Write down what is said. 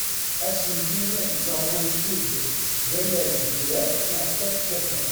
Ad as-tiniḍ ẓẓaren-tt-id d allal n turart neɣ d tafekka kan.